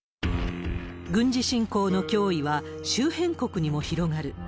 軍事侵攻の脅威は周辺国にも広がる。